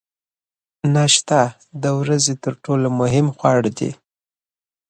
ناشته د ورځې تر ټولو مهم خواړه دي.